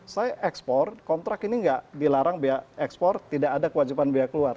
saya ekspor kontrak ini tidak dilarang biaya ekspor tidak ada kewajiban biaya keluar